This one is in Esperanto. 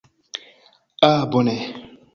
Ah bone.